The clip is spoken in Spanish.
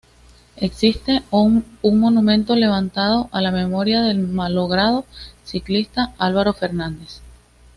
Existe un monumento levantado a la memoria del malogrado ciclista Álvaro Fernández.